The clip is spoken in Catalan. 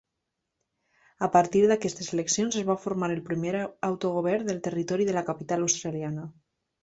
A partir d'aquestes eleccions es va formar el primer autogovern del Territori de la Capital Australiana.